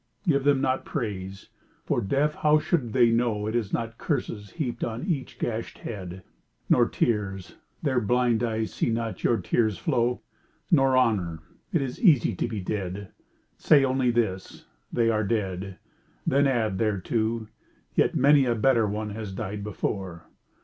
Give them not praise. For, deaf, how should they know It is not curses heaped on each gashed head ? Nor tears. Their blind eyes see not your tears flow. Nor honour. It is easy to be dead. Say only this, " They are dead." Then add thereto, " Yet many a better one has died before."